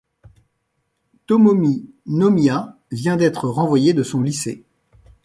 Tomomi Nomiya vient d'être renvoyé de son lycée.